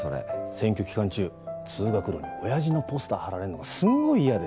選挙期間中通学路におやじのポスター貼られんのがすんごい嫌で。